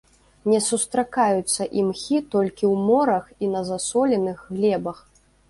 Не сустракаюцца імхі толькі ў морах і на засоленых глебах.